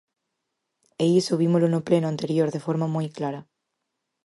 E iso vímolo no pleno anterior de forma moi clara.